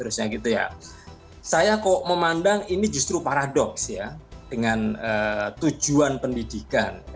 saya kok memandang ini justru paradoks ya dengan tujuan pendidikan